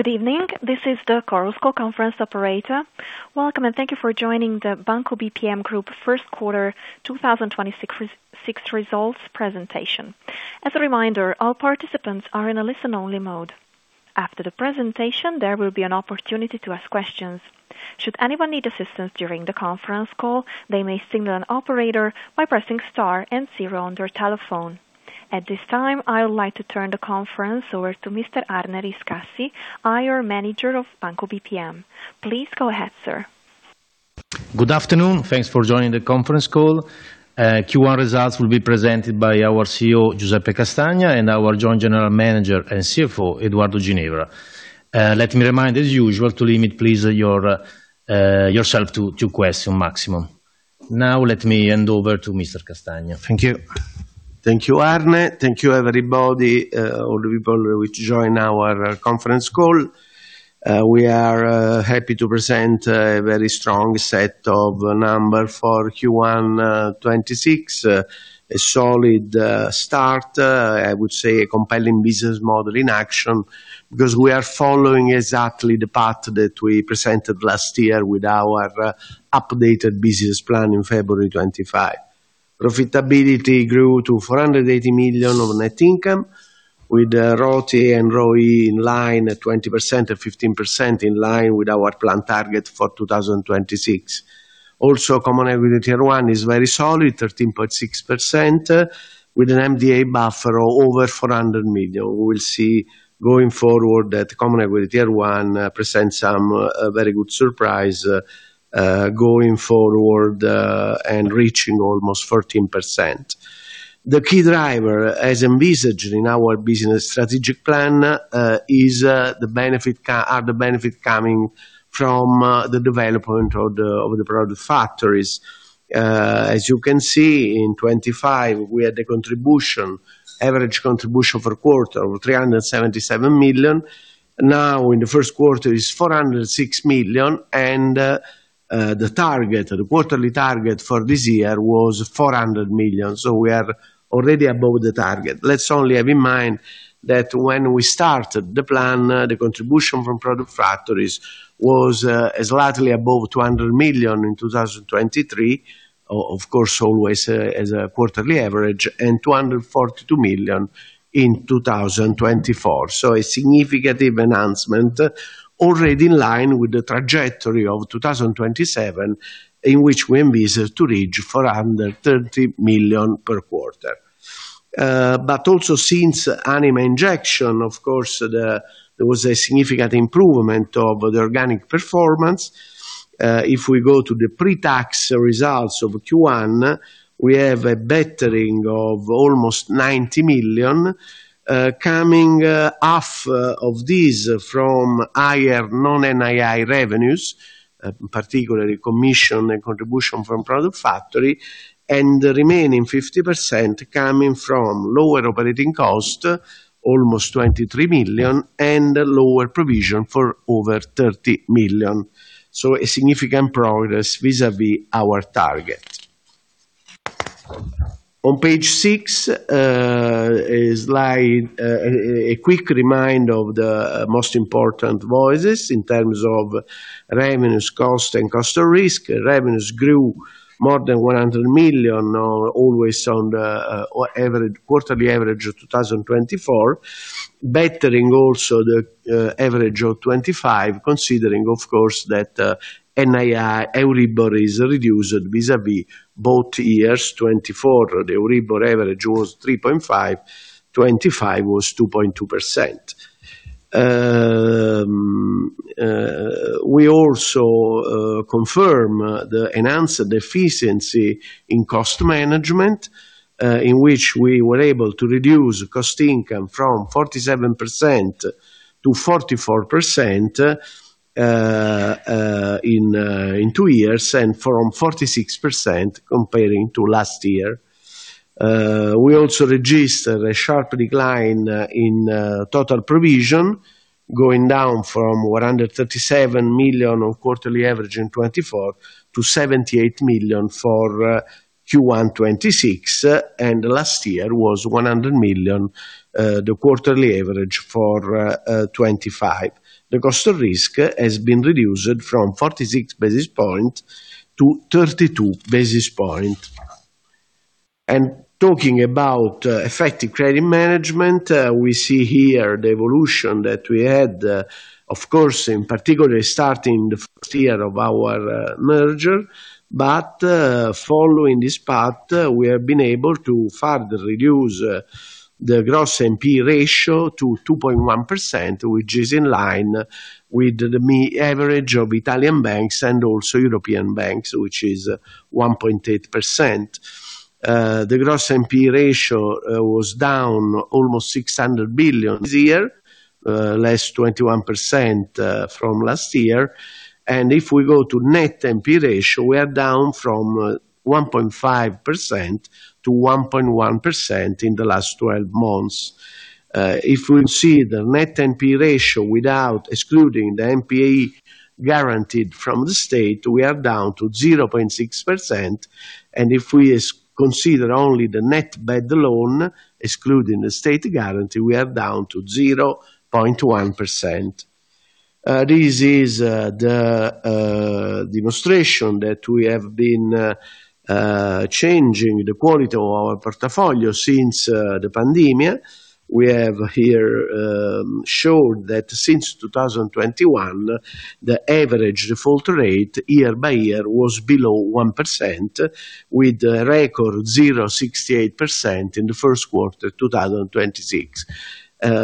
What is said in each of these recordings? Good evening. This is the Chorus Call conference operator. Welcome. Thank you for joining the Banco BPM Group first quarter 2026 results presentation. As a reminder, all participants are in a listen only mode. After the presentation, there will be an opportunity to ask questions. Should anyone need assistance during the conference call, they may signal an operator by pressing star and zero on their telephone. At this time, I would like to turn the conference over to Mr. Arne Riscassi, IR Manager of Banco BPM. Please go ahead, sir. Good afternoon. Thanks for joining the conference call. Q1 results will be presented by our CEO, Giuseppe Castagna, and our Joint General Manager and CFO, Edoardo Ginevra. Let me remind as usual to limit please your yourself to two question maximum. Now, let me hand over to Mr. Castagna. Thank you. Thank you, Arne. Thank you, everybody. All the people which join our conference call. We are happy to present a very strong set of number for Q1 2026. A solid start, I would say a compelling business model in action, because we are following exactly the path that we presented last year with our updated business plan in February 2025. Profitability grew to 480 million of net income, with ROTE and ROE in line at 20% and 15%, in line with our plan target for 2026. Also, Common Equity Tier 1 is very solid, 13.6%, with an MDA buffer of over 400 million. We will see going forward that Common Equity Tier 1 presents some very good surprise going forward and reaching almost 14%. The key driver, as envisaged in our business strategic plan, is the benefit coming from the development of the product factories. As you can see, in 2025, we had a contribution, average contribution for quarter of 377 million. Now, in the first quarter is 406 million. The target, the quarterly target for this year was 400 million. So we are already above the target. Let's only have in mind that when we started the plan, the contribution from product factories was slightly above 200 million in 2023. Of course, always as a quarterly average, and 242 million in 2024. A significant enhancement already in line with the trajectory of 2027, in which we envisage to reach 430 million per quarter. Also since Anima injection, of course, there was a significant improvement of the organic performance. If we go to the pre-tax results of Q1, we have a bettering of almost 90 million, coming half of this from higher non-NII revenues, particularly commission and contribution from product factory, and the remaining 50% coming from lower operating cost, almost 23 million, and lower provision for over 30 million. A significant progress vis-à-vis our target. On page six, a slide, a quick reminder of the most important voices in terms of revenues, cost, and cost of risk. Revenues grew more than 100 million, always on the average, quarterly average of 2024, bettering also the average of 2025, considering of course that NII Euribor is reduced vis-à-vis both years. 2024, the Euribor average was 3.5%, 2025 was 2.2%. We also confirm the enhanced efficiency in cost management, in which we were able to reduce cost-to-income from 47%-44%, in two years, and from 46% comparing to last year. We also registered a sharp decline in total provision, going down from 137 million of quarterly average in 2024- 78 million for Q1 2026, and last year was 100 million, the quarterly average for 2025. The cost of risk has been reduced from 46 basis points to 32 basis points. Talking about effective credit management, we see here the evolution that we had, of course, in particularly starting the first year of our merger. Following this path, we have been able to further reduce the gross NPE ratio to 2.1%, which is in line with the average of Italian banks and also European banks, which is 1.8%. The gross NPE ratio was down almost 600 billion this year, less 21% from last year. If we go to net NPE ratio, we are down from 1.5%-1.1% in the last 12 months. If we see the net NPE ratio without excluding the NPA guaranteed from the state, we are down to 0.6%. If we consider only the net bad loan, excluding the state guarantee, we are down to 0.1%. This is the demonstration that we have been changing the quality of our portfolio since the pandemia. We have here showed that since 2021, the average default rate year-by-year was below 1%, with a record 0.68% in the first quarter 2026.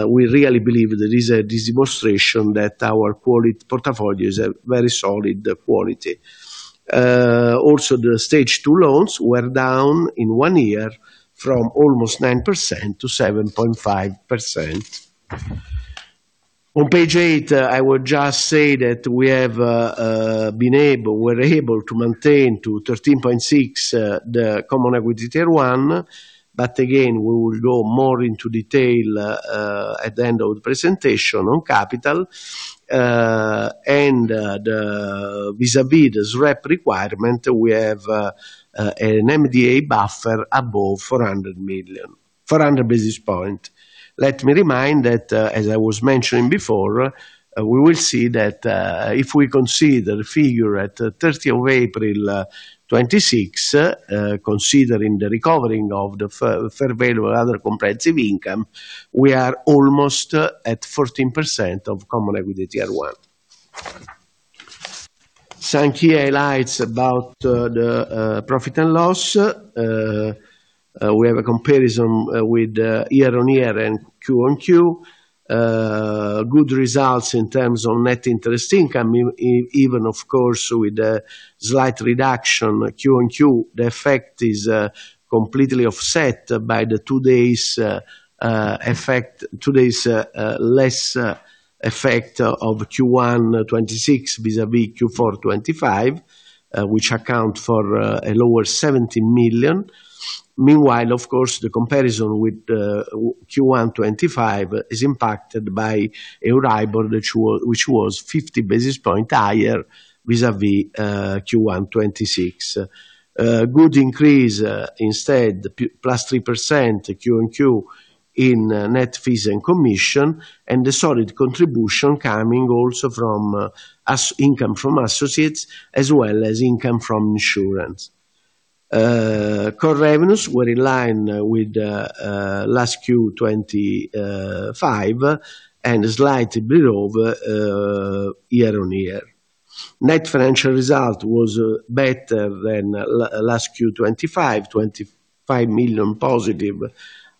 We really believe that is a demonstration that our portfolio is a very solid quality. Also, the Stage 2 loans were down in one year from almost 9%-7.5%. On page eight, I would just say that we have been able to maintain to 13.6% the common equity Tier 1. Again, we will go more into detail at the end of the presentation on capital. The vis-à-vis the SREP requirement, we have an MDA buffer above 400 basis points. Let me remind that, as I was mentioning before, we will see that, if we consider the figure at the 30 April 2026, considering the recovering of the fair value through other comprehensive income, we are almost at 14% of common equity Tier 1. Some key highlights about the profit and loss. We have a comparison with year-on-year and Q-on-Q. Good results in terms of net interest income, even of course, with a slight reduction quarter-over-quarter. The effect is completely offset by the today's less effect of Q1 2026 vis-à-vis Q4 2025, which account for a lower 70 million. Meanwhile, of course, the comparison with Q1 2025 is impacted by Euribor, which was 50 basis points higher vis-à-vis Q1 2026. Good increase, instead +3% Q-on-Q in net fees and commission, and a solid contribution coming also from income from associates as well as income from insurance. Core revenues were in line with last Q 2025, and a slight bit over year-on-year. Net financial result was better than last Q 2025, 25 million positive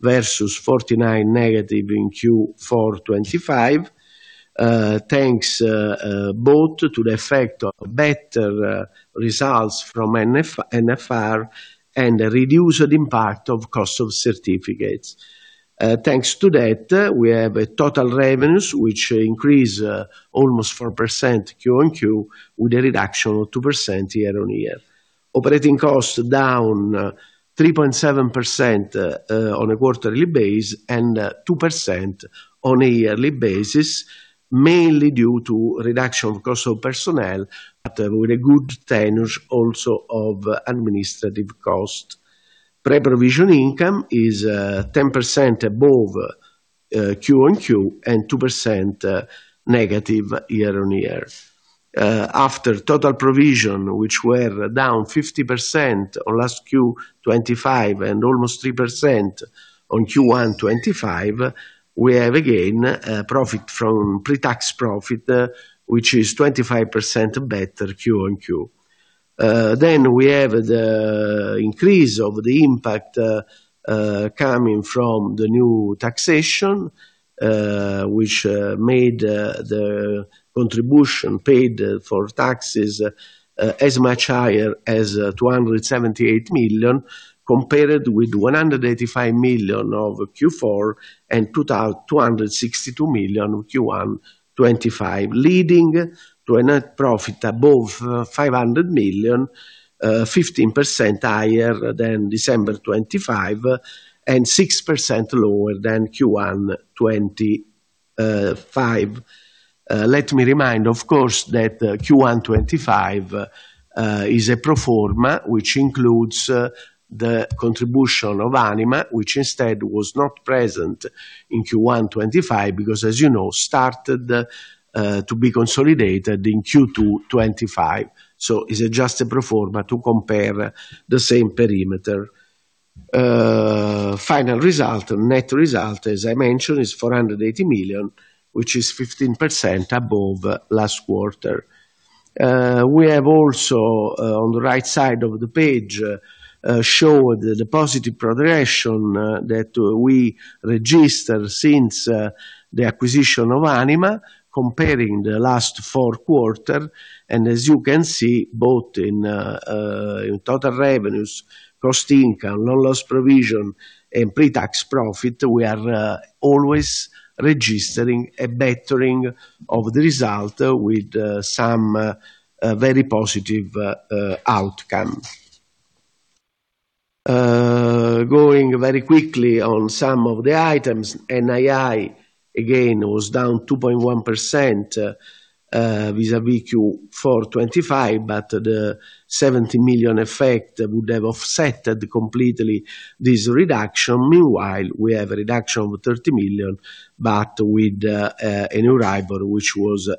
versus 49 negative in Q4 2025, thanks both to the effect of better results from NFR and a reduced impact of cost of certificates. Thanks to that, we have total revenues which increase almost 4% Q-on-Q with a reduction of 2% year-over-year. Operating costs down 3.7% on a quarterly base and 2% on a yearly basis, mainly due to reduction of cost of personnel, but with a good tenures also of administrative cost. Pre-provision income is 10% above Q-on -Q and 2% negative year-over-year. After total provision, which were down 50% on last Q 2025 and almost 3% on Q1 2025, we have again a profit from pre-tax profit, which is 25% better Q-on-Q. We have the increase of the impact coming from the new taxation, which made the contribution paid for taxes as much higher as 278 million, compared with 185 million of Q4 and 262 million Q1 2025, leading to a net profit above 500 million, 15% higher than December 2025 and 6% lower than Q1 2025. Let me remind, of course, that Q1 2025 is a pro forma, which includes the contribution of Anima, which instead was not present in Q1 2025 because, as you know, started to be consolidated in Q2 2025. It's adjusted pro forma to compare the same perimeter. Final result or net result, as I mentioned, is 480 million, which is 15% above last quarter. We have also on the right side of the page showed the positive progression that we registered since the acquisition of Anima, comparing the last four quarter. As you can see, both in total revenues, cost-to-income, loan loss provision, and pre-tax profit, we are always registering a bettering of the result with some very positive outcome. Going very quickly on some of the items. NII again was down 2.1% vis-à-vis Q4 2025, but the 70 million effect would have offsetted completely this reduction. Meanwhile, we have a reduction of 30 million, but with an EURIBOR, which was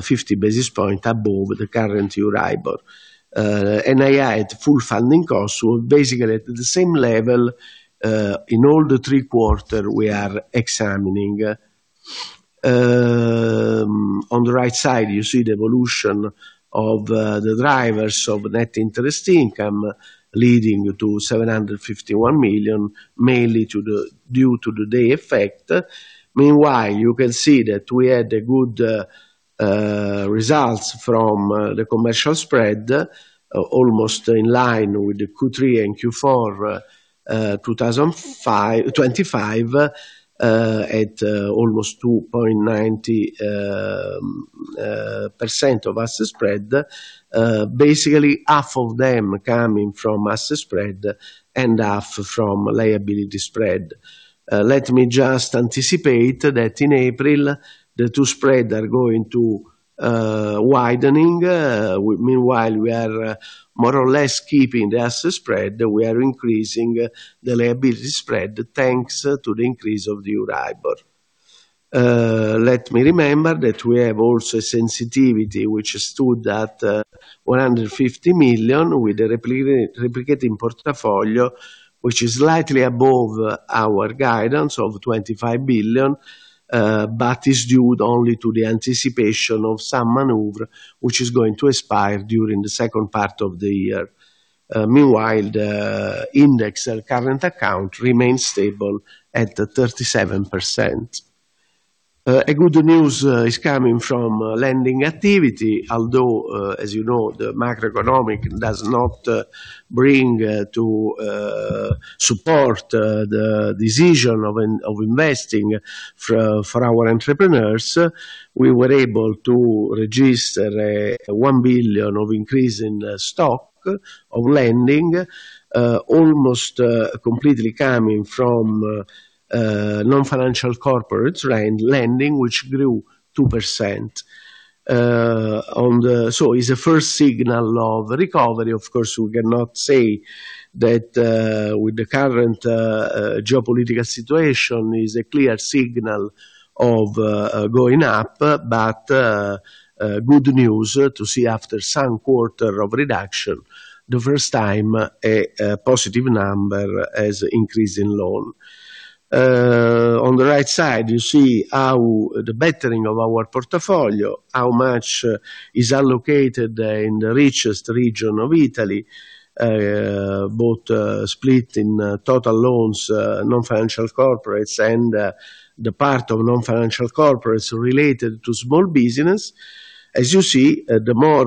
50 basis points above the current Euribor. NII at full funding cost were basically at the same level in all the three quarters we are examining. On the right side, you see the evolution of the drivers of net interest income leading to 751 million, mainly to the due to the day effect. Meanwhile, you can see that we had good results from the commercial spread, almost in line with the Q3 and Q4 2025, at almost 2.90% of asset spread. Basically half of them coming from asset spread and half from liability spread. let me just anticipate that in April, the two spread are going to widening. meanwhile, we are more or less keeping the asset spread. We are increasing the liability spread, thanks to the increase of the Euribor. Let me remember that we have also a sensitivity which stood at 150 million with a replicating portfolio, which is slightly above our guidance of 25 billion, but is due only to the anticipation of some maneuver, which is going to expire during the second part of the year. meanwhile, the index current account remains stable at 37%. A good news is coming from lending activity, although, as you know, the macroeconomic does not bring to support the decision of investing for our entrepreneurs. We were able to register 1 billion of increase in stock of lending, almost completely coming from non-financial corporate lending, which grew 2%. It's a first signal of recovery. Of course, we cannot say that, with the current geopolitical situation is a clear signal of going up, but good news to see after some quarter of reduction, the first time a positive number has increased in loan. On the right side, you see how the bettering of our portfolio, how much is allocated in the richest region of Italy, both split in total loans, non-financial corporates, and the part of non-financial corporates related to small business. As you see, the more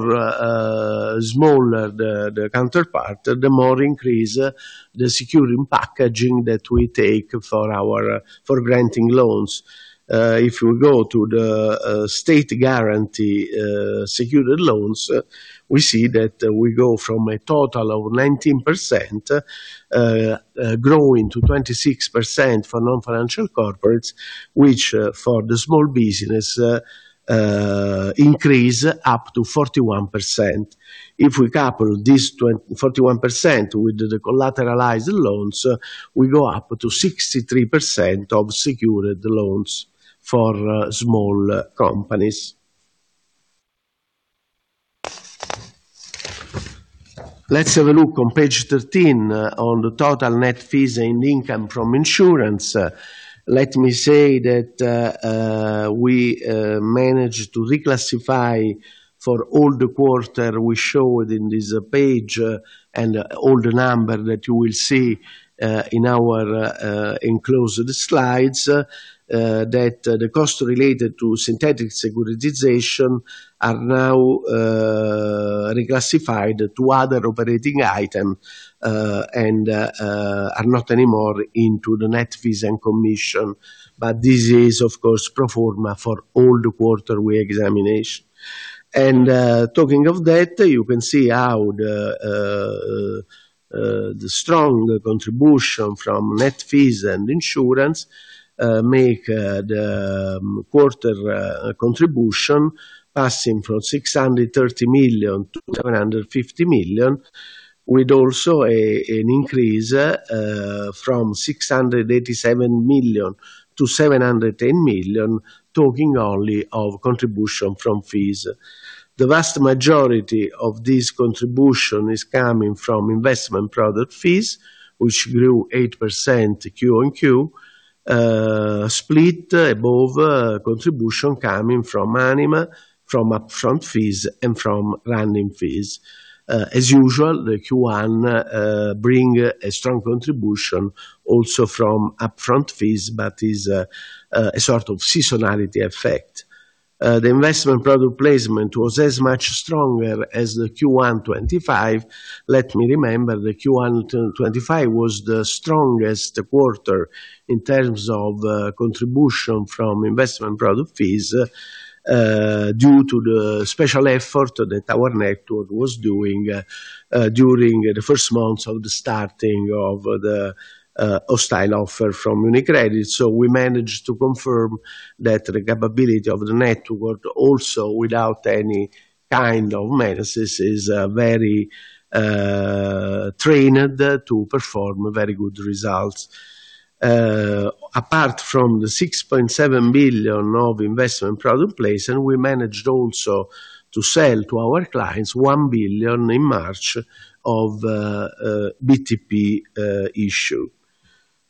small the counterpart, the more increase the security packaging that we take for granting loans. If you go to the state guarantee secured loans, we see that we go from a total of 19%, growing to 26% for non-financial corporates, which for the small business, increase up to 41%. If we couple this 41% with the collateralized loans, we go up to 63% of secured loans for small companies. Let's have a look on page 13 on the total net fees and income from insurance. Let me say that, we managed to reclassify for all the quarter we showed in this page and all the number that you will see, in our enclosed slides, that the cost related to synthetic securitization are now reclassified to other operating item, and are not anymore into the net fees and commission. This is of course pro forma for all the quarter we examination. Talking of that, you can see how the strong contribution from net fees and insurance, make the quarter contribution passing from 630 million-750 million, with also a, an increase from 687 million-710 million, talking only of contribution from fees. The vast majority of this contribution is coming from investment product fees, which grew 8% Q-on-Q, split above contribution coming from Anima, from upfront fees, and from running fees. As usual, the Q1 bring a strong contribution also from upfront fees, but is a sort of seasonality effect. The investment product placement was as much stronger as the Q1 2025. Let me remember that Q1 2025 was the strongest quarter in terms of contribution from investment product fees, due to the special effort that our network was doing during the first months of the starting of the hostile offer from UniCredit. We managed to confirm that the capability of the network, also without any kind of menace, is very trained to perform very good results. Apart from the 6.7 billion of investment product place, and we managed also to sell to our clients 1 billion in March of BTP issue.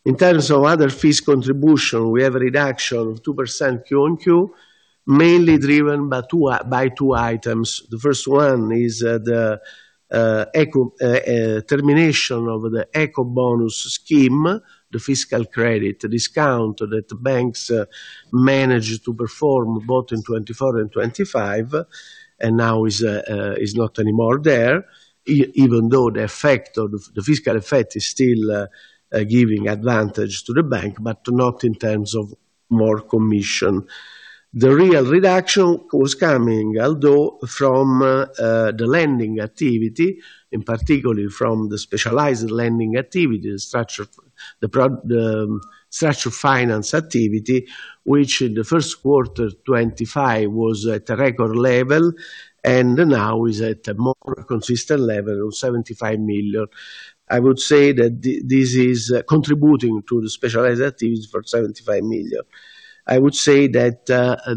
In terms of other fees contribution, we have a reduction of 2% Q-on-Q, mainly driven by two items. The first one is the termination of the Ecobonus scheme, the fiscal credit discount that banks managed to perform both in 2024 and 2025, and now is not anymore there, even though the effect of the fiscal effect is still giving advantage to the bank, but not in terms of more commission. The real reduction was coming, although from the lending activity, in particular from the specialized lending activity, the structure finance activity, which in the first quarter 2025 was at a record level, and now is at a more consistent level of 75 million. I would say that this is contributing to the specialized activities for 75 million. I would say that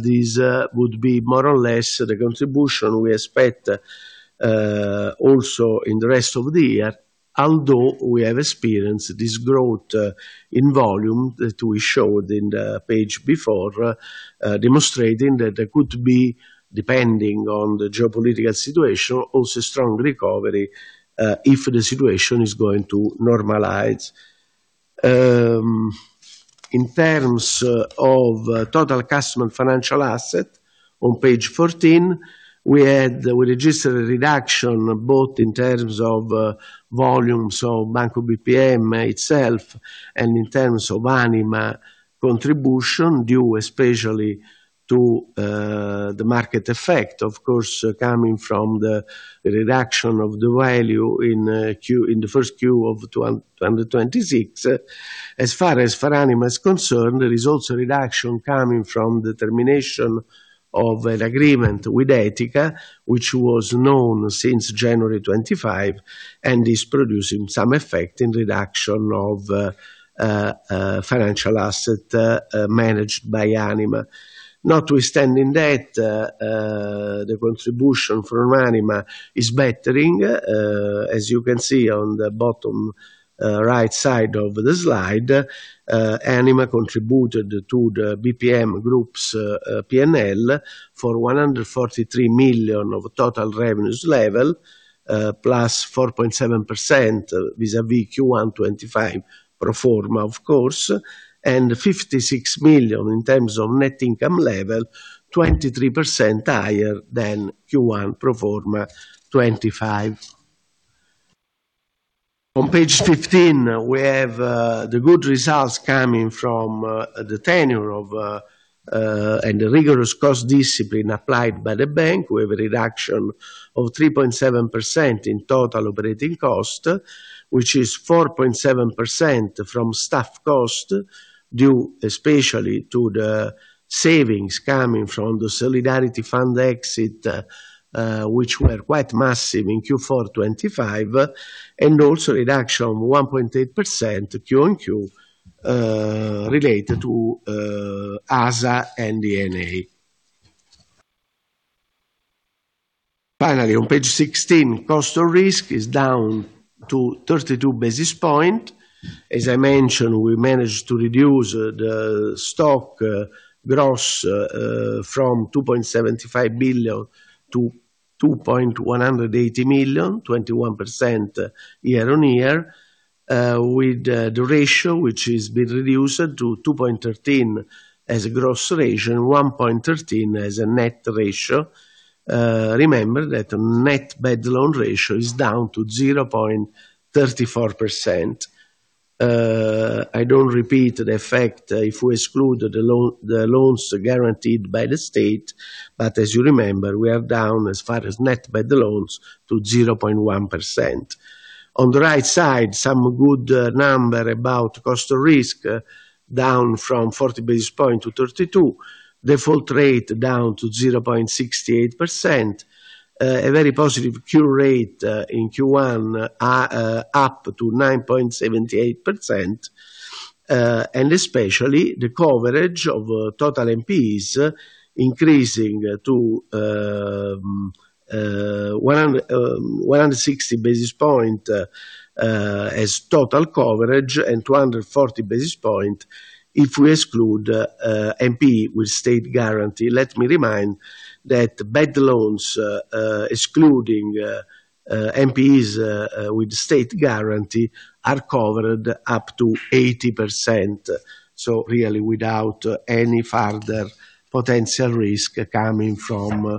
this would be more or less the contribution we expect also in the rest of the year, although we have experienced this growth in volume that we showed in the page before, demonstrating that there could be, depending on the geopolitical situation, also strong recovery, if the situation is going to normalize. In terms of total customer financial asset, on page 14, we registered a reduction both in terms of volumes of Banco BPM itself and in terms of Anima contribution due especially to the market effect, of course, coming from the reduction of the value in Q1 2026. As far as for Anima is concerned, there is also a reduction coming from the termination of an agreement with Etica, which was known since January 2025 and is producing some effect in reduction of financial asset managed by Anima. Notwithstanding that, the contribution from Anima is bettering. As you can see on the bottom, right side of the slide, Anima contributed to the Banco BPM Group's P&L for 143 million of total revenues level, +4.7% vis-à-vis Q1 2025 pro forma, of course, and 56 million in terms of net income level, 23% higher than Q1 pro forma 2025. On page 15, we have the good results coming from the tenure of and the rigorous cost discipline applied by the bank. We have a reduction of 3.7% in total operating cost, which is 4.7% from staff cost, due especially to the savings coming from the solidarity fund exit, which were quite massive in Q4 2025, and also reduction of 1.8% Q-on-Q, related to ASA and D&A. Finally, on page 16, cost of risk is down to 32 basis points. As I mentioned, we managed to reduce the stock gross from 2.75 billion to 2,180 million, 21% year-on-year, with the ratio which has been reduced to 2.13% as a gross ratio and 1.13% as a net ratio. Remember that net bad loan ratio is down to 0.34%. I don't repeat the effect if we exclude the loans guaranteed by the state, but as you remember, we are down as far as net bad loans to 0.1%. On the right side, some good number about cost of risk down from 40 basis points to 32. Default rate down to 0.68%. A very positive cure rate in Q1, up to 9.78%. Especially the coverage of total NPEs increasing to 160 basis points as total coverage and 240 basis points if we exclude NPE with state guarantee. Let me remind that bad loans, excluding NPEs with state guarantee are covered up to 80%, so really without any further potential risk coming from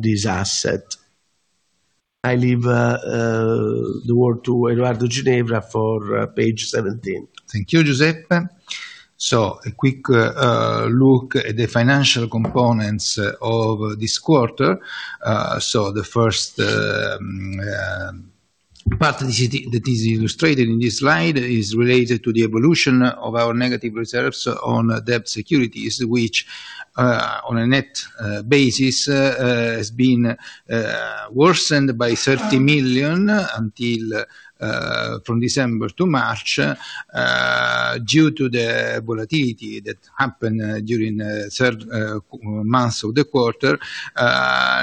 this asset. I leave the word to Edoardo Ginevra for page 17. Thank you, Giuseppe. A quick look at the financial components of this quarter. The first part that is illustrated in this slide is related to the evolution of our negative reserves on debt securities, which on a net basis has been worsened by 30 million until from December to March due to the volatility that happened during third months of the quarter,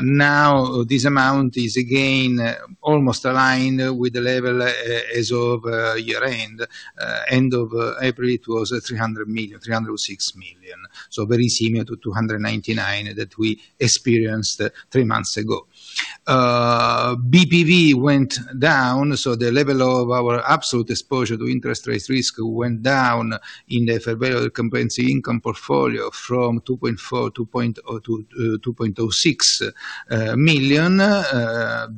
now this amount is again almost aligned with the level as of year-end. End of April, it was 300 million, 306 million, so very similar to 299 that we experienced three months ago. BPV went down, the level of our absolute exposure to interest rate risk went down in the fair value of comprehensive income portfolio from 2.4-2.06 million.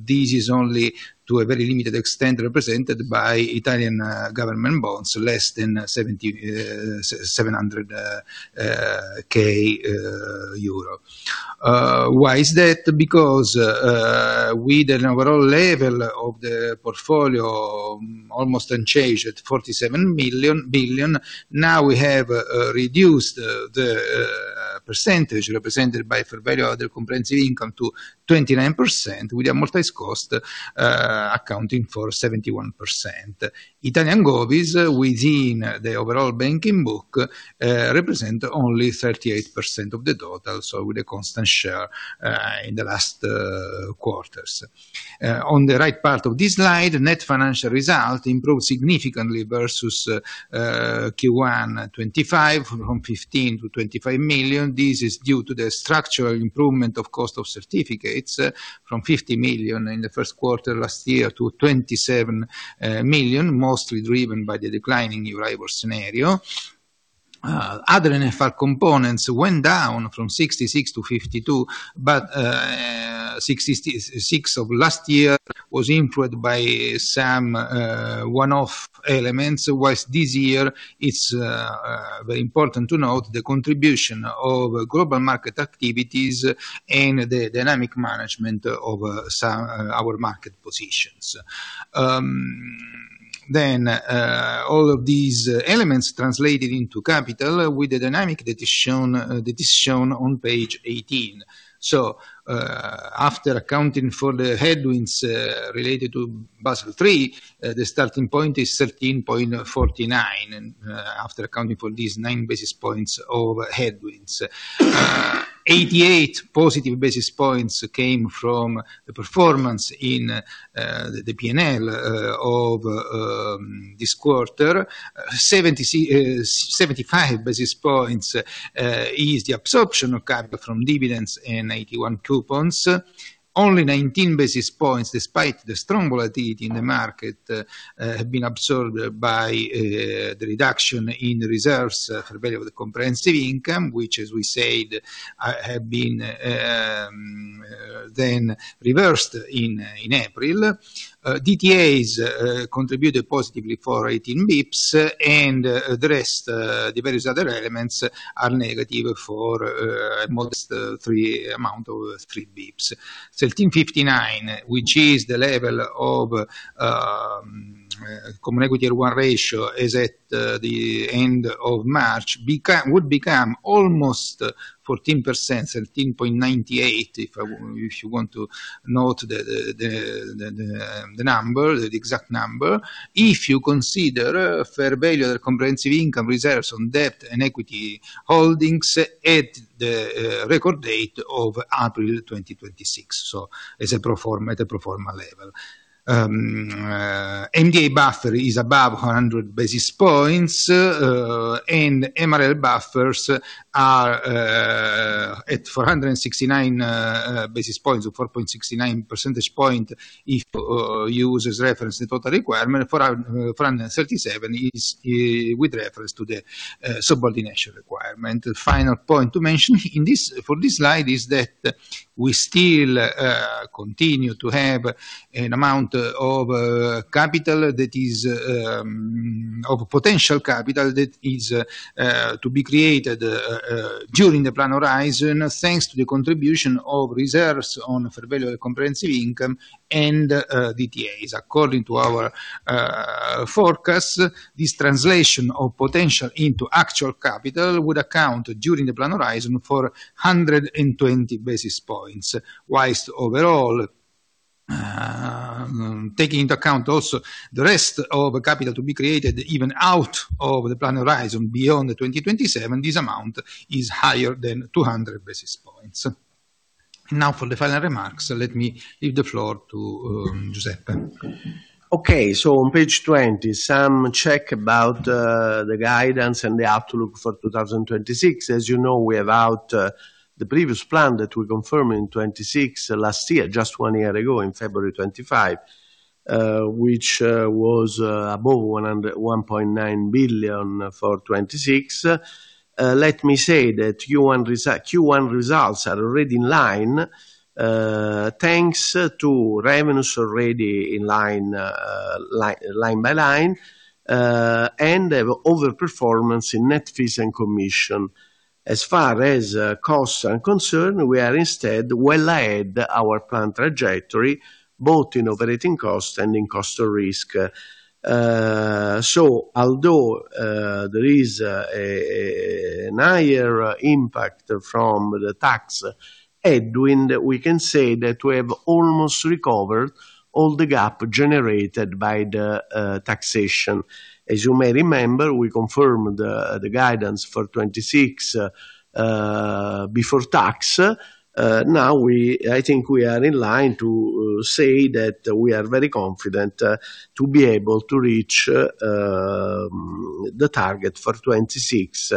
This is only to a very limited extent represented by Italian government bonds, less than 700,000 euro. Why is that? With an overall level of the portfolio almost unchanged at 47 billion, now we have reduced the percentage represented by fair value other comprehensive income to 29%, with amortized cost accounting for 71%. Italian Govies within the overall banking book represent only 38% of the total, with a constant share in the last quarters. On the right part of this slide, net financial result improved significantly versus Q1 2025, from 15 million-25 million. This is due to the structural improvement of cost of certificates from 50 million in the first quarter last year to 27 million, mostly driven by the declining Euribor scenario. Other NFR components went down from 66%-52%, 66% of last year was influenced by some one-off elements, whilst this year it's very important to note the contribution of global market activities and the dynamic management of some our market positions. All of these elements translated into capital with the dynamic that is shown on page 18. After accounting for the headwinds related to Basel III, the starting point is 13.49%. After accounting for these 9 basis points of headwinds, 88 positive basis points came from the performance in the P&L of this quarter. 75 basis points is the absorption of capital from dividends and 81 coupons. Only 19 basis points, despite the strong volatility in the market, have been absorbed by the reduction in reserves fair value of the comprehensive income, which as we said, have been then reversed in April. DTAs contributed positively for 18 basis points, and the rest, the various other elements are negative for at most 3 basis points. 13.59%, which is the level of common equity to CET1 ratio, is at the end of March, would become almost 14%, 13.98%, if you want to note the number, the exact number, if you consider fair value other comprehensive income reserves on debt and equity holdings at the record date of April 2026. As a pro forma, at a pro forma level. MDA buffer is above 100 basis points, and MREL buffers are at 469 basis points or 4.69 percentage point if you use as reference the total requirement. 437 is with reference to the subordination requirement. The final point to mention in this, for this slide is that we still continue to have an amount of capital that is of potential capital that is to be created during the plan horizon, thanks to the contribution of reserves on fair value through other comprehensive income and DTAs. According to our forecast, this translation of potential into actual capital would account during the plan horizon for 120 basis points, whilst overall, taking into account also the rest of capital to be created even out of the plan horizon beyond the 2027, this amount is higher than 200 basis points. For the final remarks, let me leave the floor to Giuseppe Castagna. On page 20, some check about the guidance and the outlook for 2026. As you know, we have out the previous plan that we confirmed in 2026 last year, just one year ago in February 2025, which was above 101.9 billion for 2026. Let me say that Q1 results are already in line, thanks to revenues already in line by line, and the overperformance in net fees and commission. As far as costs are concerned, we are instead well ahead our plan trajectory, both in operating cost and in cost of risk So although there is a higher impact from the tax headwind, we can say that we have almost recovered all the gap generated by the taxation. As you may remember, we confirmed the guidance for 2026 before tax. Now we think we are in line to say that we are very confident to be able to reach. The target for 2026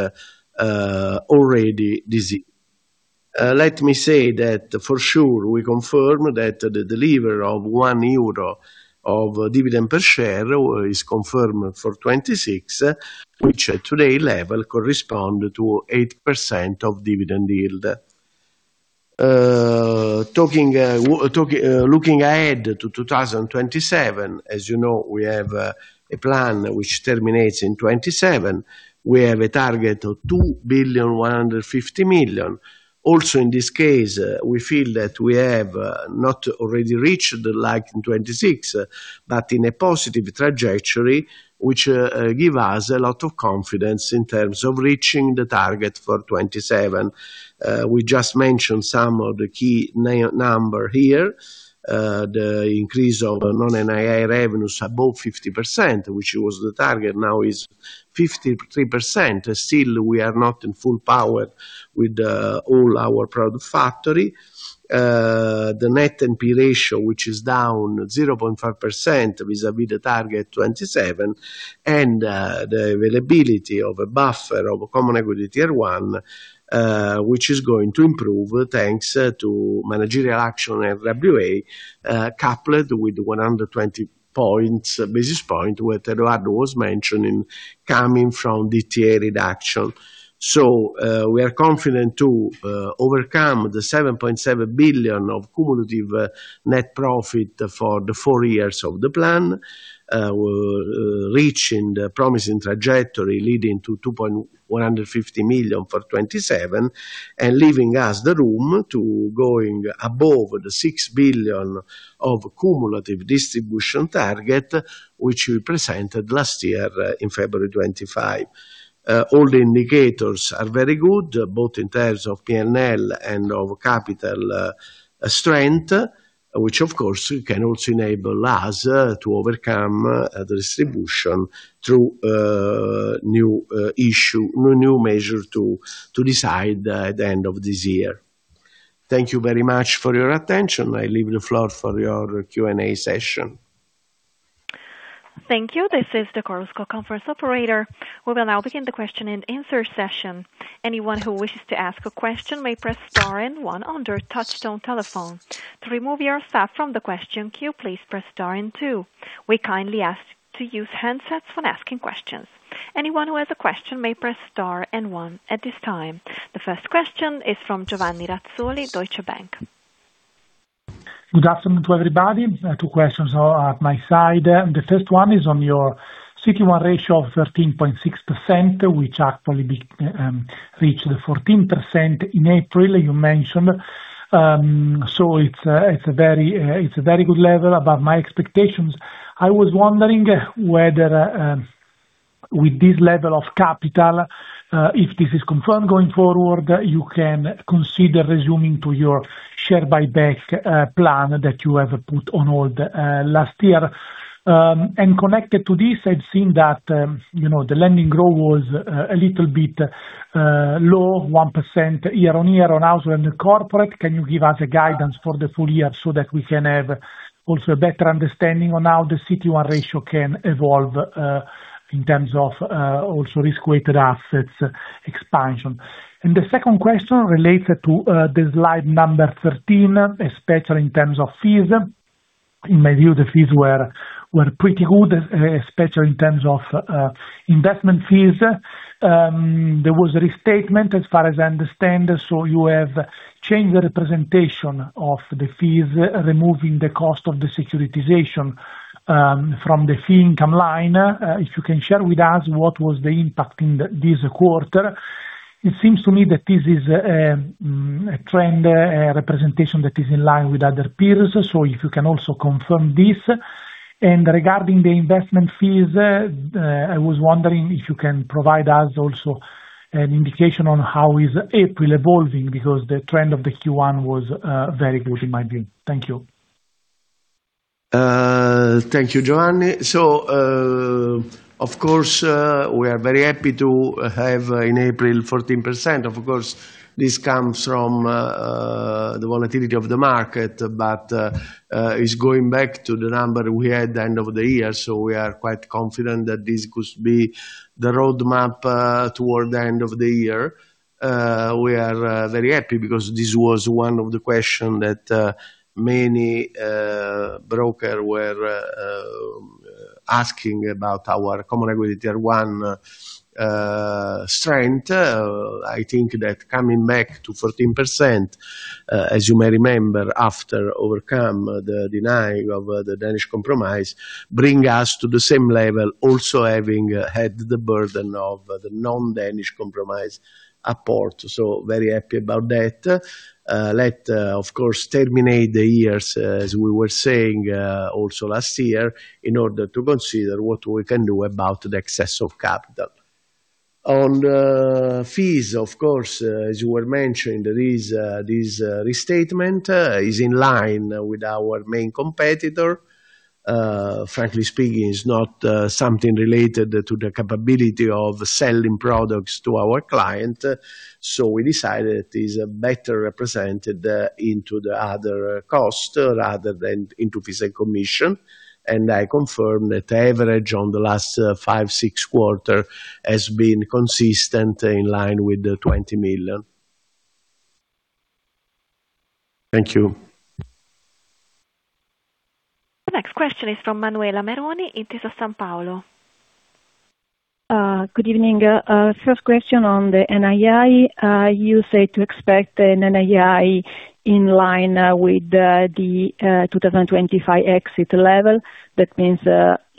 already this year. Let me say that for sure we confirm that the deliver of 1 euro of dividend per share is confirmed for 2026, which at today level correspond to 8% of dividend yield. Talking, looking ahead to 2027, as you know, we have a plan which terminates in 2027. We have a target of 2.15 billion. Also, in this case, we feel that we have not already reached like in 2026, but in a positive trajectory, which give us a lot of confidence in terms of reaching the target for 2027. We just mentioned some of the key number here. The increase of non-NII revenues above 50%, which was the target, now is 53%. Still, we are not in full power with all our product factory. The net NPE ratio, which is down 0.5% vis-à-vis the target 2027, and the availability of a buffer of common equity Tier 1, which is going to improve, thanks to managerial action and RWA, coupled with 120 points, business point, what Edoardo Ginevra was mentioning, coming from DTA reduction. We are confident to overcome the 7.7 billion of cumulative net profit for the four-years of the plan, reaching the promising trajectory leading to 2.150 million for 2027, and leaving us the room to going above the 6 billion of cumulative distribution target, which we presented last year in February 2025. All the indicators are very good, both in terms of P&L and of capital strength, which of course can also enable us to overcome the distribution through new issue, new measure to decide at the end of this year. Thank you very much for your attention. I leave the floor for your Q&A session. Thank you. This is the Chorus Call conference operator conference operator will be now begin the question-and-answer session. Anyone who wishes to asked a question may press star and one under touchtone telephone. To remove yourself from the question queue please press star and two. We kindly asked to use handset for asking question. Anyone who has a question may press star and one at this time. The The first question is from Giovanni Razzoli, Deutsche Bank. Good afternoon to everybody. Two questions on my side. The first one is on your CET1 ratio of 13.6%, which actually reached 14% in April, you mentioned. It's a very good level above my expectations. I was wondering whether, with this level of capital, if this is confirmed going forward, you can consider resuming to your share buyback plan that you have put on hold last year. Connected to this, I've seen that, you know, the lending growth was a little bit low, 1% year-on-year on household and corporate. Can you give us a guidance for the full-year so that we can have also a better understanding on how the CET1 ratio can evolve in terms of also risk-weighted assets expansion? The second question relates to the slide number 13, especially in terms of fees. In my view, the fees were pretty good, especially in terms of investment fees. There was a restatement as far as I understand, so you have changed the representation of the fees, removing the cost of the securitization from the fee income line. If you can share with us what was the impact in this quarter. It seems to me that this is a trend, a representation that is in line with other peers. If you can also confirm this. Regarding the investment fees, I was wondering if you can provide us also an indication on how is April evolving, because the trend of the Q1 was very good in my view. Thank you. Thank you, Giovanni. Of course, we are very happy to have in April 14%. Of course, this comes from the volatility of the market, but it's going back to the number we had the end of the year. We are quite confident that this could be the roadmap toward the end of the year. We are very happy because this was one of the question that many broker were asking about our common equity tier one strength. I think that coming back to 14%, as you may remember, after overcome the denying of the Danish Compromise, bring us to the same level also having had the burden of the non-Danish Compromise apport. Very happy about that. Let, of course, terminate the years, as we were saying, also last year, in order to consider what we can do about the excess of capital. On fees, of course, as you were mentioning, this restatement is in line with our main competitor. Frankly speaking, it's not something related to the capability of selling products to our client. We decided it is better represented into the other cost rather than into fees and commission. I confirm that average on the last five, six quarters has been consistent in line with the 20 million. Thank you. The next question is from Manuela Meroni, Intesa Sanpaolo. Good evening. First question on the NII. You say to expect an NII in line with the 2025 exit level. That means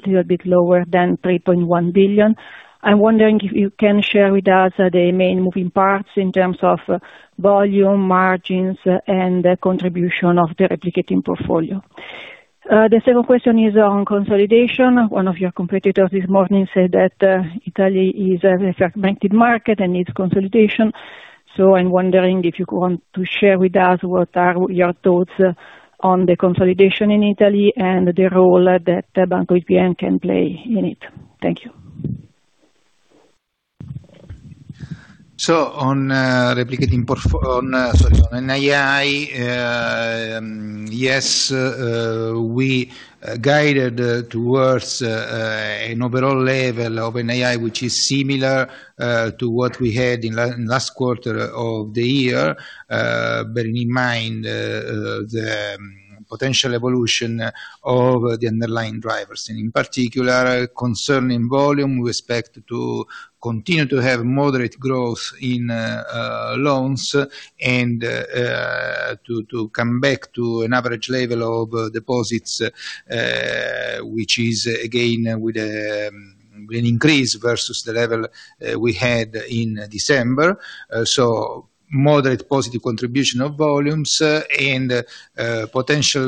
little bit lower than 3.1 billion. I'm wondering if you can share with us the main moving parts in terms of volume, margins, and the contribution of the replicating portfolio. The second question is on consolidation. One of your competitors this morning said that Italy is a fragmented market and needs consolidation. I'm wondering if you want to share with us what are your thoughts on the consolidation in Italy and the role that Banco BPM can play in it. Thank you. On NII, yes, we guided towards an overall level of NII, which is similar to what we had in last quarter of the year, bearing in mind the potential evolution of the underlying drivers. In particular, concerning volume, we expect to continue to have moderate growth in loans and to come back to an average level of deposits, which is again with an increase versus the level we had in December. Moderate positive contribution of volumes and potential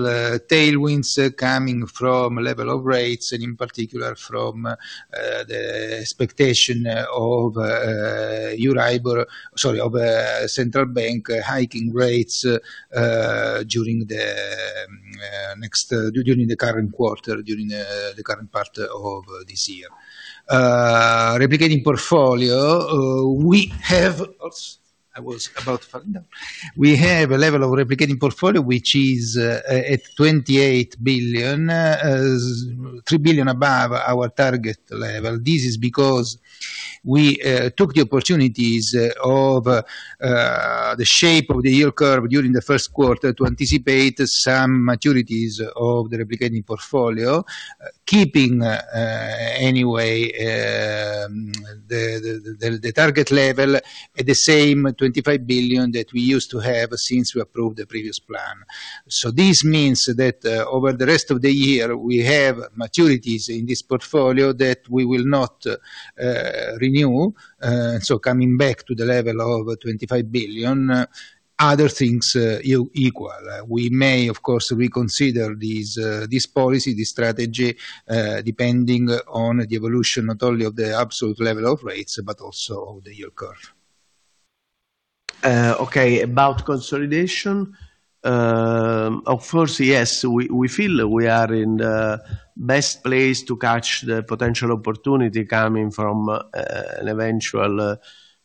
tailwinds coming from level of rates and in particular from the expectation of central bank hiking rates during the current quarter, during the current part of this year. Replicating portfolio, I was about to fall down. We have a level of replicating portfolio which is at 28 billion, 3 billion above our target level. This is because we took the opportunities of the shape of the yield curve during the first quarter to anticipate some maturities of the replicating portfolio, keeping anyway the target level at the same 25 billion that we used to have since we approved the previous plan. This means that over the rest of the year, we have maturities in this portfolio that we will not renew. Coming back to the level of 25 billion, other things equal. We may, of course, reconsider this policy, this strategy, depending on the evolution, not only of the absolute level of rates, but also of the yield curve. Okay, about consolidation. Of course, yes, we feel we are in the best place to catch the potential opportunity coming from an eventual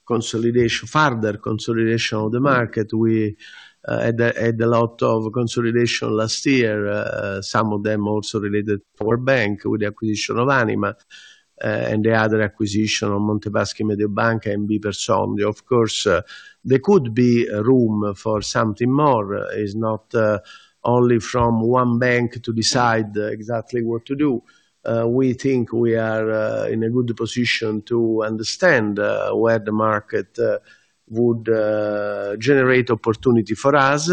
consolidation, further consolidation of the market. We had a lot of consolidation last year, some of them also related to our bank with the acquisition of Anima, and the other acquisition of Monte Paschi, Mediobanca and BPER Banca. Of course, there could be room for something more. It's not only from one bank to decide exactly what to do. We think we are in a good position to understand where the market would generate opportunity for us.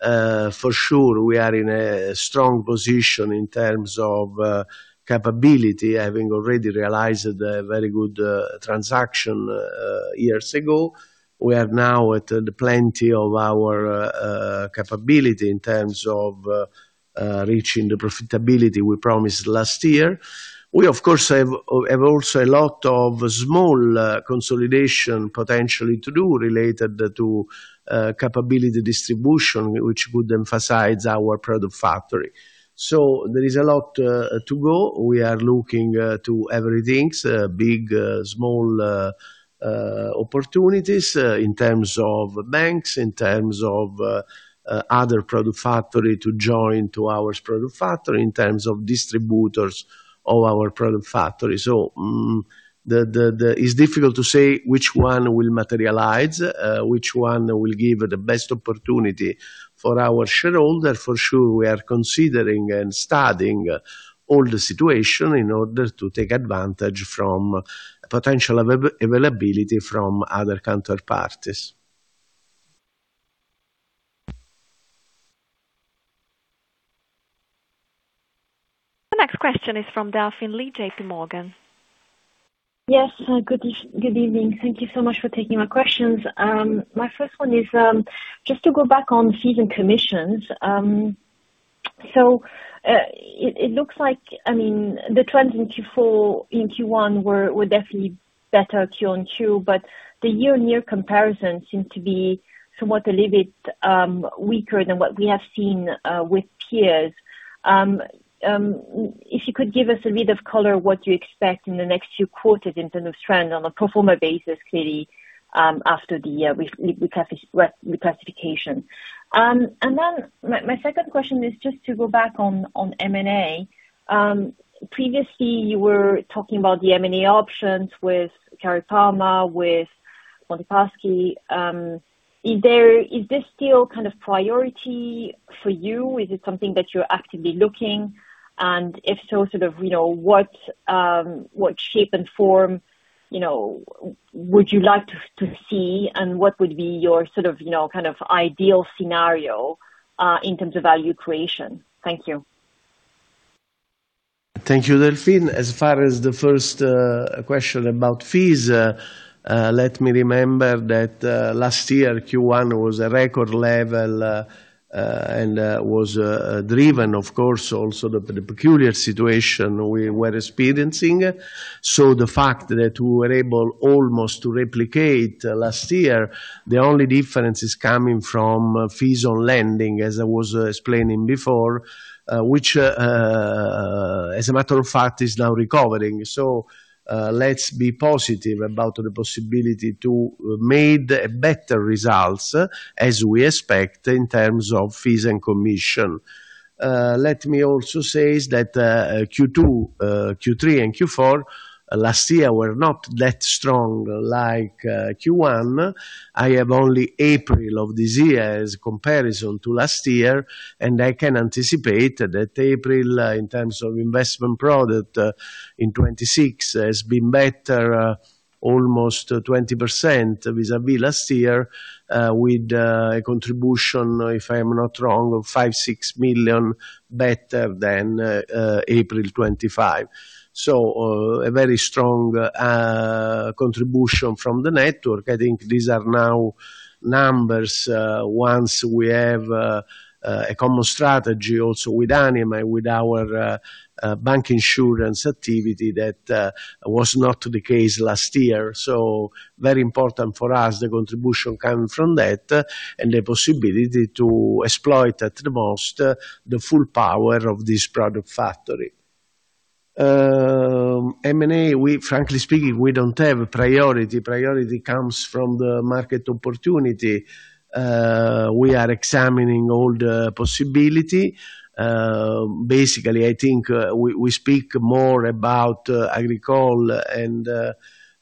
For sure, we are in a strong position in terms of capability, having already realized a very good transaction years ago. We are now at the plenty of our capability in terms of reaching the profitability we promised last year. We, of course, have also a lot of small consolidation potentially to do related to capability distribution, which would emphasize our product factory. There is a lot to go. We are looking to everything, big, small, opportunities, in terms of banks, in terms of other product factory to join to our product factory, in terms of distributors of our product factory. It's difficult to say which one will materialize, which one will give the best opportunity for our shareholder. For sure, we are considering and studying all the situation in order to take advantage from potential availability from other counterparties. The next question is from Delphine Lee, JPMorgan. Yes. Good evening. Thank you so much for taking my questions. My first one is just to go back on fees and commissions. It looks like, I mean, the trends in Q4, in Q1 were definitely better Q-on-Q. The year-on-year comparison seemed to be somewhat a little bit weaker than what we have seen with peers. If you could give us a bit of color what you expect in the next few quarters in terms of trend on a pro forma basis, clearly, after the reclassification. My second question is just to go back on M&A. Previously you were talking about the M&A options with Cariparma, with Montepaschi. Is this still kind of priority for you? Is it something that you're actively looking? If so, sort of, you know, what shape and form, you know, would you like to see, and what would be your sort of, you know, kind of ideal scenario, in terms of value creation? Thank you. Thank you, Delphine. As far as the first question about fees, let me remember that last year Q1 was a record level and was driven of course also the peculiar situation we were experiencing. The fact that we were able almost to replicate last year, the only difference is coming from fees on lending, as I was explaining before, which as a matter of fact is now recovering. Let's be positive about the possibility to made better results as we expect in terms of fees and commission. Let me also say is that Q2, Q3, and Q4 last year were not that strong like Q1. I have only April of this year as comparison to last year, and I can anticipate that April, in terms of investment product, in 2026 has been better almost 20% vis-à-vis last year, with a contribution, if I'm not wrong, of 5 million-6 million better than April 2025. A very strong contribution from the network. I think these are now numbers, once we have a common strategy also with Anima, with our bank insurance activity that was not the case last year. Very important for us, the contribution coming from that, and the possibility to exploit at the most the full power of this product factory. M&A, we frankly speaking, we don't have priority. Priority comes from the market opportunity. We are examining all the possibility. Basically, I think we speak more about Agricole and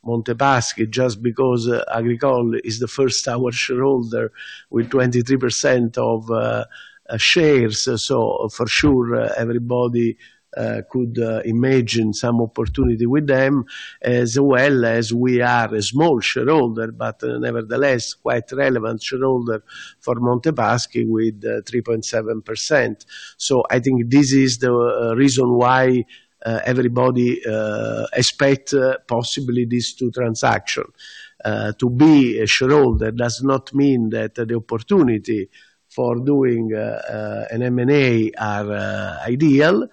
Montepaschi just because Agricole is the first shareholder with 23% of shares. For sure, everybody could imagine some opportunity with them as well as we are a small shareholder, but nevertheless quite relevant shareholder for Montepaschi with 3.7%. I think this is the reason why everybody expect possibly these two transaction. To be a shareholder does not mean that the opportunity for doing an M&A are ideal.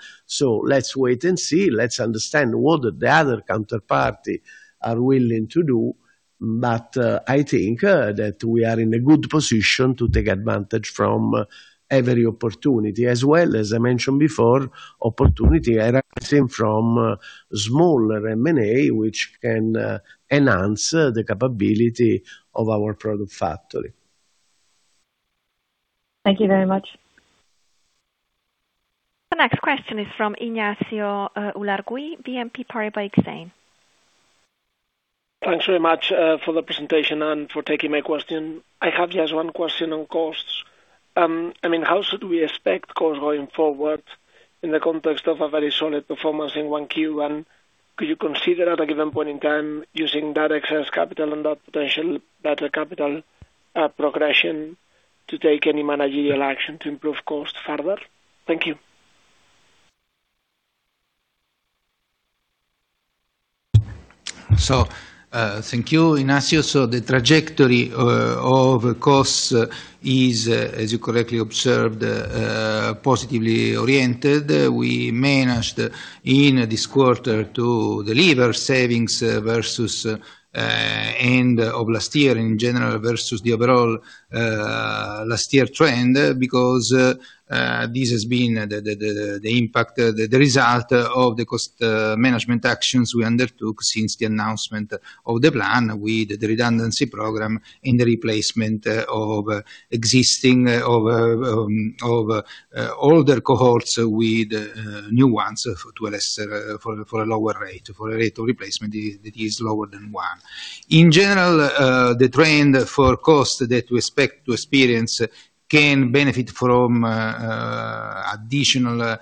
Let's wait and see. Let's understand what the other counterparty are willing to do. I think, that we are in a good position to take advantage from every opportunity as well as I mentioned before, opportunity arising from smaller M&A, which can, enhance the capability of our product factory. Thank you very much. The next question is from Ignacio Ulargui, BNP Paribas Exane. Thanks very much for the presentation and for taking my question. I have just one question on costs. I mean, how should we expect costs going forward in the context of a very solid performance in 1Q? Could you consider at a given point in time using that excess capital and that potential, better capital progression to take any managerial action to improve cost further? Thank you. Thank you, Ignacio. The trajectory of costs is, as you correctly observed, positively oriented. We managed in this quarter to deliver savings versus end of last year in general versus the overall last year trend because this has been the impact, the result of the cost management actions we undertook since the announcement of the plan with the redundancy program in the replacement of existing older cohorts with new ones to a less for a lower rate. For a rate of replacement is lower than one. In general, the trend for cost that we expect to experience can benefit from additional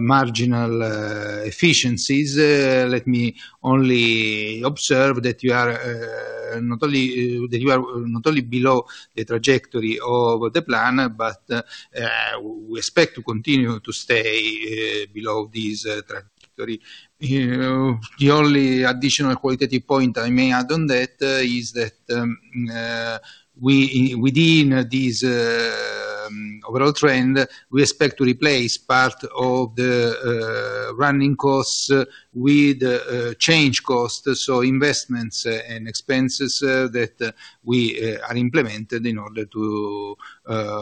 marginal efficiencies. Let me only observe that you are not only below the trajectory of the plan, but we expect to continue to stay below this trajectory. You know, the only additional qualitative point I may add on that is that we within this overall trend, we expect to replace part of the running costs with change costs, so investments and expenses that we are implemented in order to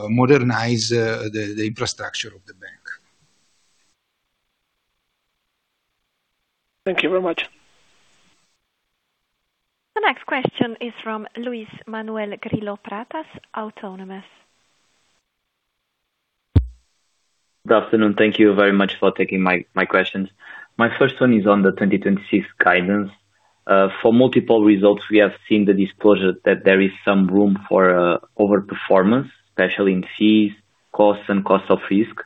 modernize the infrastructure of the bank. Thank you very much. The next question is from Luís Pratas, Autonomous. Good afternoon. Thank you very much for taking my questions. My first one is on the 2026 guidance. For multiple results, we have seen the disclosure that there is some room for overperformance, especially in fees, costs and cost of risk.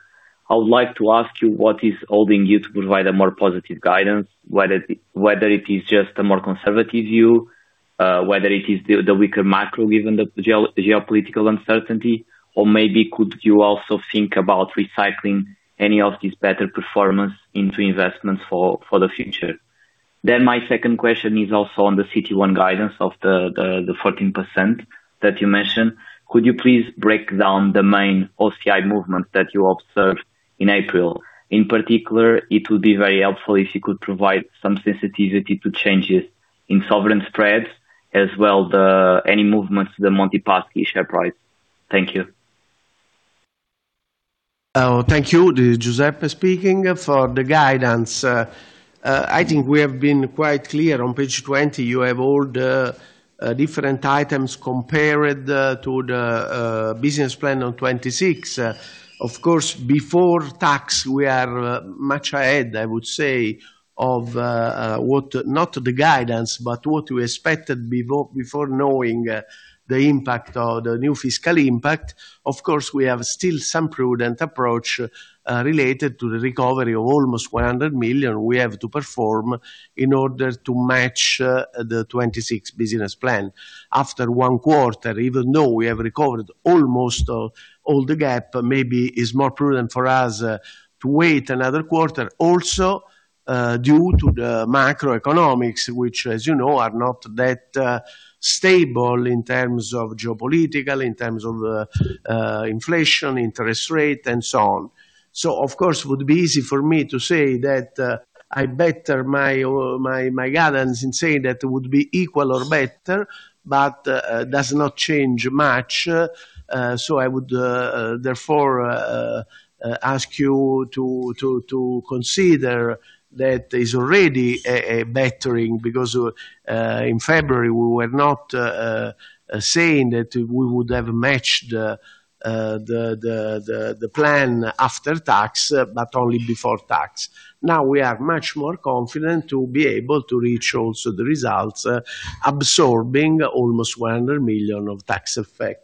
I would like to ask you what is holding you to provide a more positive guidance, whether it is just a more conservative view, whether it is the weaker macro given the geopolitical uncertainty, or maybe could you also think about recycling any of this better performance into investments for the future? My second question is also on the CT1 guidance of the 14% that you mentioned. Could you please break down the main OCI movement that you observed in April? In particular, it would be very helpful if you could provide some sensitivity to changes in sovereign spreads, as well as any movements to the Monte Paschi share price. Thank you. Thank you. This is Giuseppe speaking. For the guidance, I think we have been quite clear. On page 20, you have all the different items compared to the business plan on 2026. Of course, before tax, we are much ahead, I would say, of what not the guidance, but what we expected before knowing the impact or the new fiscal impact. Of course, we have still some prudent approach related to the recovery of almost 100 million we have to perform in order to match the 2026 business plan. After one quarter, even though we have recovered almost all the gap, maybe it's more prudent for us to wait another quarter. Also, due to the macroeconomics, which, as you know, are not that stable in terms of geopolitical, in terms of inflation, interest rate, and so on. Of course it would be easy for me to say that I better my guidance and say that it would be equal or better, but does not change much. I would therefore ask you to consider that is already a bettering because in February, we were not saying that we would have matched the plan after tax, but only before tax. Now we are much more confident to be able to reach also the results, absorbing almost 100 million of tax effect.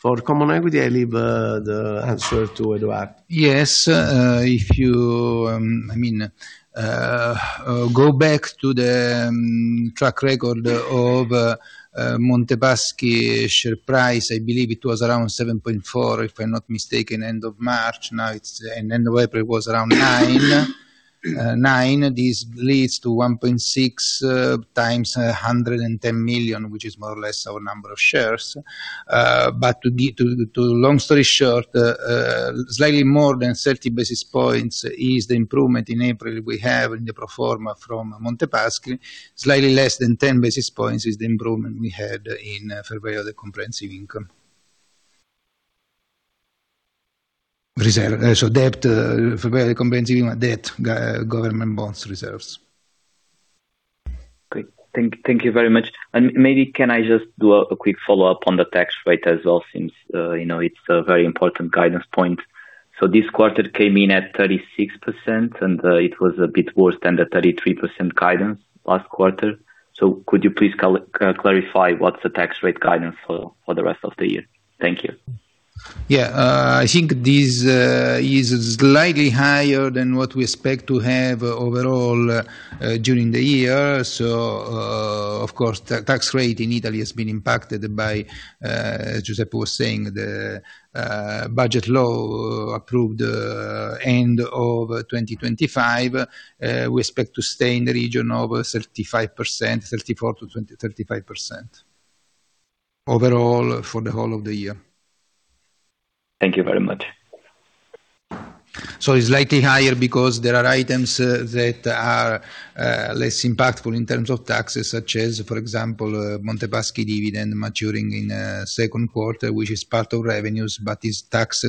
For common equity, I leave the answer to Edoardo. Yes. If you go back to the track record of Monte Paschi share price, I believe it was around 7.4, if I'm not mistaken, end of March. Now it's and end of April was around 9. This leads to 1.6x 110 million, which is more or less our number of shares. To long story short, slightly more than 30 basis points is the improvement in April we have in the pro forma from Monte Paschi. Slightly less than 10 basis points is the improvement we had in February, the comprehensive income reserve. Debt, February comprehensive income, debt, government bonds reserves. Great. Thank you very much. Maybe can I just do a quick follow-up on the tax rate as well, since, you know, it's a very important guidance point. This quarter came in at 36%, and it was a bit worse than the 33% guidance last quarter. Could you please clarify what's the tax rate guidance for the rest of the year? Thank you. Yeah. I think this is slightly higher than what we expect to have overall during the year. Of course, the tax rate in Italy has been impacted by as Giuseppe was saying, the budget law approved end of 2025. We expect to stay in the region of 35%, 34%-35% overall for the whole of the year. Thank you very much. It's slightly higher because there are items that are less impactful in terms of taxes, such as, for example, Monte Paschi dividend maturing in second quarter, which is part of revenues, but is taxed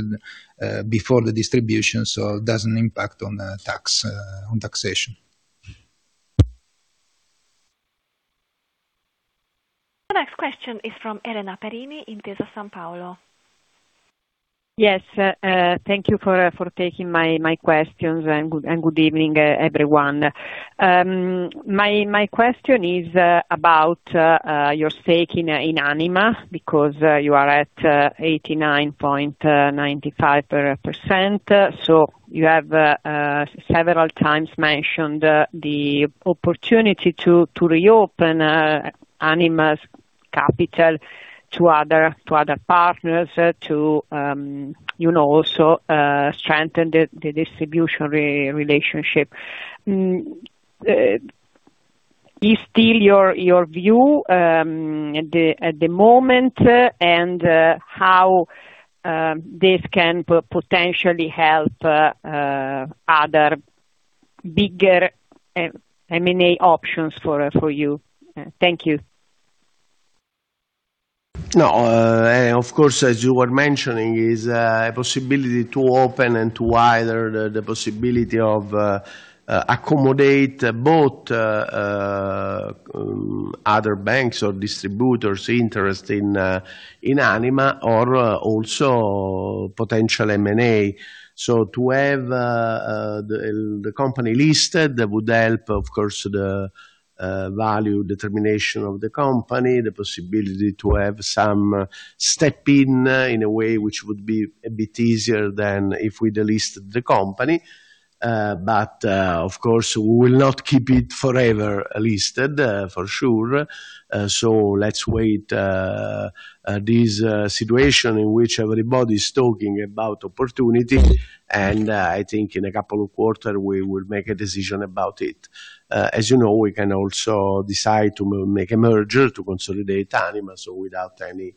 before the distribution, so it doesn't impact on tax on taxation. The next question is from Elena Perini, Intesa Sanpaolo. Yes. Thank you for taking my questions, and good evening, everyone. My question is about your stake in Anima, because you are at 89.95%. You have several times mentioned the opportunity to reopen Anima's capital to other partners to, you know, also strengthen the distribution relationship. Is still your view at the moment, and how this can potentially help other bigger M&A options for you? No, of course, as you were mentioning, is a possibility to open and to either the possibility of accommodate both other banks or distributors interest in Anima or also potential M&A. To have the company listed, that would help, of course, the value determination of the company, the possibility to have some step in a way which would be a bit easier than if we delist the company. Of course, we will not keep it forever listed, for sure. Let's wait this situation in which everybody's talking about opportunity, I think in a couple of quarter we will make a decision about it. As you know, we can also decide to make a merger to consolidate Anima, without any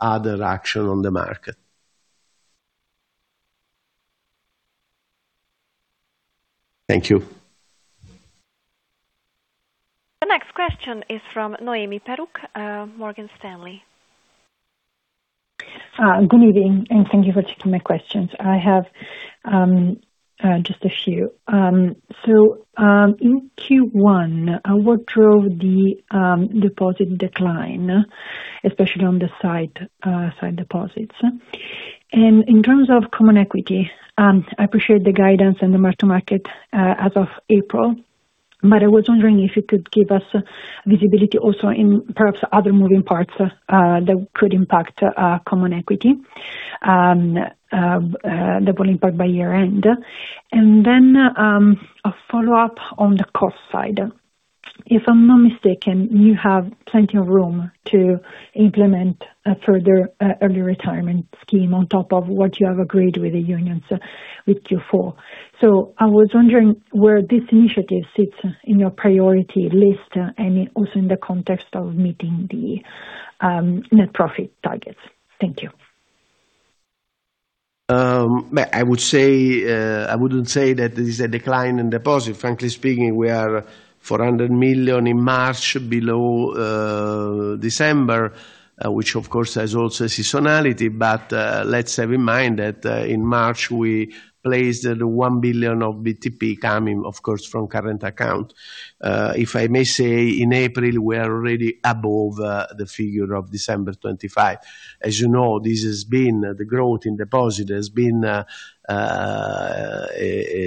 other action on the market. Thank you. The next question is from Noemi Peruch, Morgan Stanley. Good evening, and thank you for taking my questions. I have just a few. In Q1, what drove the deposit decline, especially on the side deposits? In terms of common equity, I appreciate the guidance and the mark to market as of April, but I was wondering if you could give us visibility also in perhaps other moving parts that could impact common equity that will impact by year-end. Then, a follow-up on the cost side. If I'm not mistaken, you have plenty of room to implement a further early retirement scheme on top of what you have agreed with the unions with Q4. I was wondering where this initiative sits in your priority list, and also in the context of meeting the net profit targets. Thank you. I would say, I wouldn't say that this is a decline in deposit. Frankly speaking, we are 400 million in March below December, which of course has also seasonality. Let's have in mind that in March, we placed 1 billion of BTP coming, of course, from current account. If I may say, in April, we are already above the figure of December 25. As you know, this has been the growth in deposit, has been a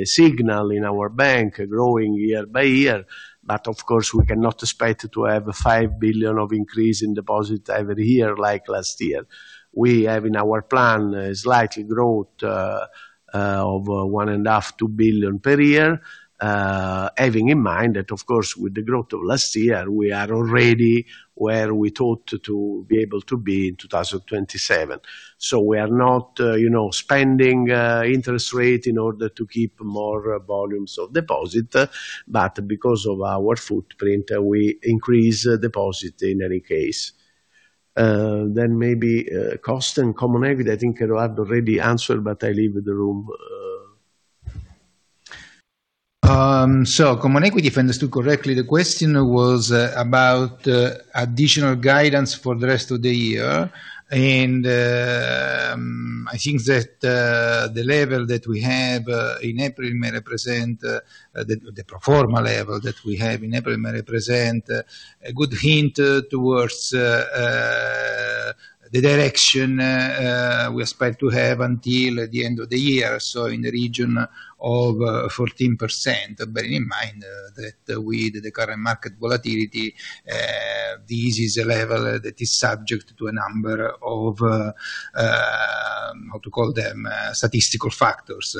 signal in our bank growing year-by-year. Of course, we cannot expect to have a 5 billion of increase in deposit every year like last year. We have in our plan a slightly growth of 1.5 billion-2 billion per year. Having in mind that of course with the growth of last year, we are already where we thought to be able to be in 2027. We are not, you know, spending interest rate in order to keep more volumes of deposit, but because of our footprint, we increase deposit in any case. Maybe cost and common equity, I think Edoardo already answered, but I leave the room. Common equity, if I understood correctly, the question was about additional guidance for the rest of the year. I think that the level that we have in April may represent the pro forma level that we have in April may represent a good hint towards the direction we expect to have until the end of the year. In the region of 14%. Bearing in mind that with the current market volatility, this is a level that is subject to a number of statistical factors.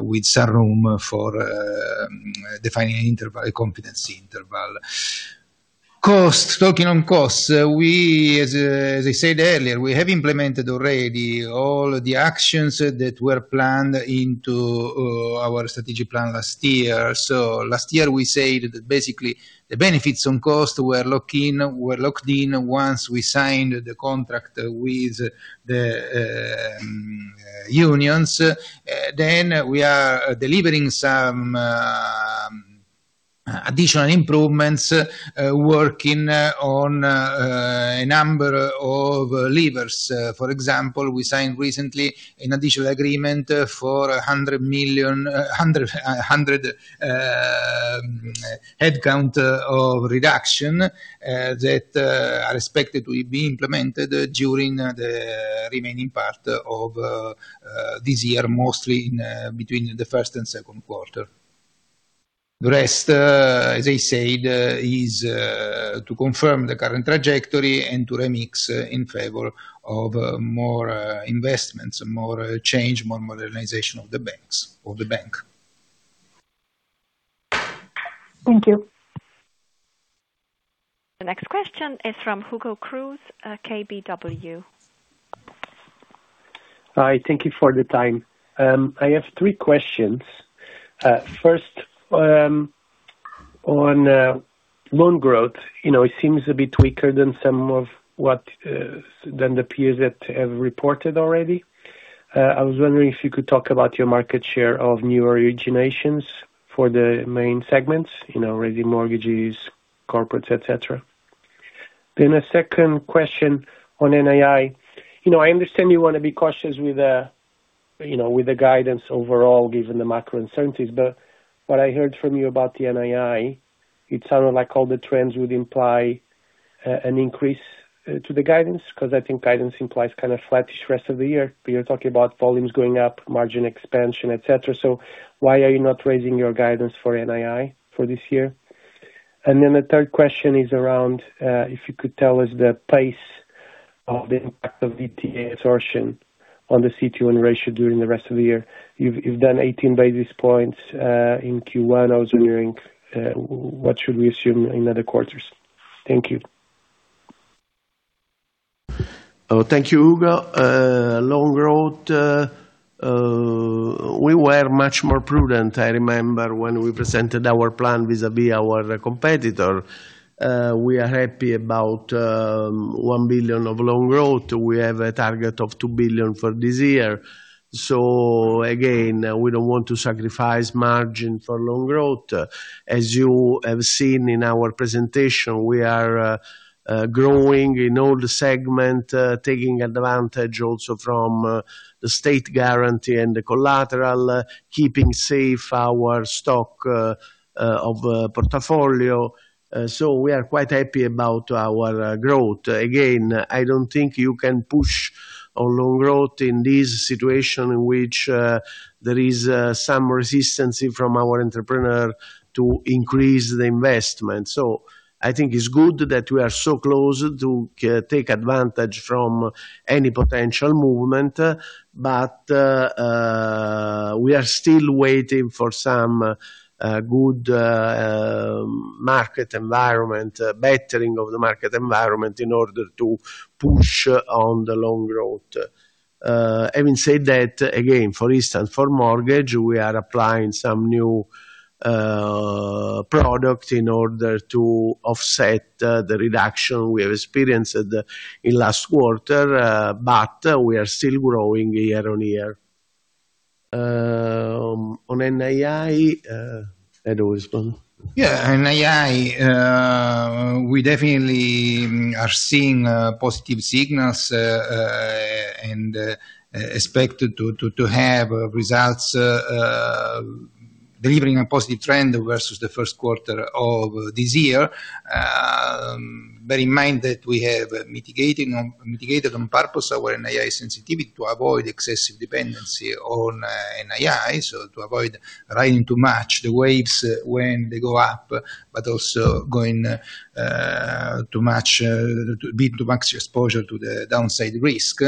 With some room for defining an interval, a confidence interval. Cost, talking on costs, as I said earlier, we have implemented already all the actions that were planned into our strategic plan last year. Last year we said that basically the benefits on cost were locked in once we signed the contract with the unions. We are delivering some additional improvements, working on a number of levers. For example, we signed recently an additional agreement for 100 headcount of reduction that are expected to be implemented during the remaining part of this year, mostly in between the first and second quarter. The rest, as I said, is to confirm the current trajectory and to remix in favor of more investments, more change, more modernization of the bank. Thank you. The next question is from Hugo Cruz, KBW. Hi. Thank you for the time. I have three questions. First, on loan growth. You know, it seems a bit weaker than some of what than the peers that have reported already. I was wondering if you could talk about your market share of new originations for the main segments, you know, raising mortgages, corporates, et cetera. A second question on NII. You know, I understand you wanna be cautious with the, you know, with the guidance overall given the macro uncertainties. What I heard from you about the NII, it sounded like all the trends would imply an increase to the guidance, 'cause I think guidance implies kinda flattish rest of the year. You're talking about volumes going up, margin expansion, et cetera. Why are you not raising your guidance for NII for this year? The third question is around, if you could tell us the pace of the impact of DTA assertion on the CET1 ratio during the rest of the year. You've done 18 basis points in Q1. I was wondering, what should we assume in other quarters? Thank you. Thank you, Hugo. Loan growth, we were much more prudent, I remember, when we presented our plan vis-à-vis our competitor. We are happy about 1 billion of loan growth. We have a target of 2 billion for this year. Again, we don't want to sacrifice margin for loan growth. As you have seen in our presentation, we are growing in all the segment, taking advantage also from the state guarantee and the collateral, keeping safe our stock of portfolio. We are quite happy about our growth. Again, I don't think you can push our loan growth in this situation in which there is some resistance from our entrepreneur to increase the investment. I think it's good that we are so close to take advantage from any potential movement. We are still waiting for some good market environment, bettering of the market environment in order to push on the loan growth. Having said that, again, for instance, for mortgage, we are applying some new product in order to offset the reduction we have experienced in last quarter, but we are still growing year-on-year. On NII, Edo, respond. Yeah, NII, we definitely are seeing positive signals, and expect to have results delivering a positive trend versus the first quarter of this year. Bear in mind that we have mitigated on purpose our NII sensitivity to avoid excessive dependency on NII, so to avoid riding too much the waves when they go up, but also going too much be too much exposure to the downside risk.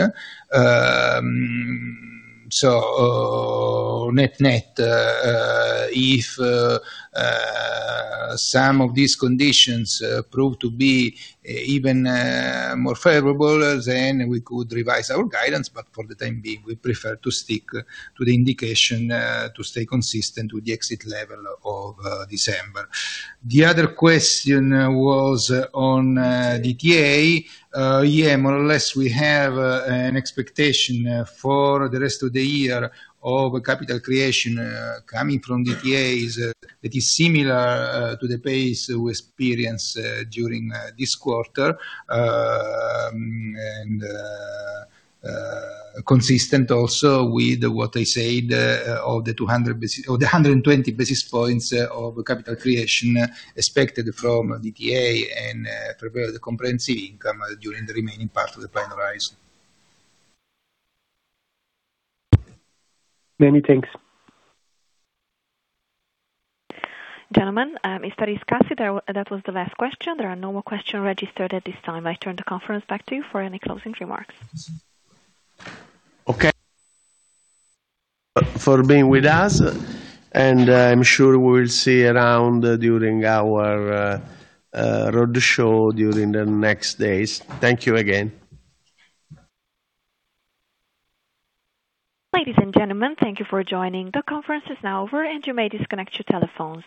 Net-net, if some of these conditions prove to be even more favorable, then we could revise our guidance. For the time being, we prefer to stick to the indication, to stay consistent with the exit level of December. The other question was on DTA. Yeah, more or less, we have an expectation for the rest of the year of capital creation coming from DTAs that is similar to the pace we experienced during this quarter. Consistent also with what I said of the 200 basic of the 120 basis points of capital creation expected from DTA and prepare the comprehensive income during the remaining part of the plan rise. Many thanks. Gentlemen, Mr. Riscassi, that was the last question. There are no more questions registered at this time. I turn the conference back to you for any closing remarks. Okay. For being with us, and I'm sure we'll see around during our road show during the next days. Thank you again. Ladies and gentlemen, thank you for joining. The conference is now over, and you may disconnect your telephones.